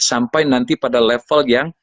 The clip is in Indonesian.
sampai nanti pada level yang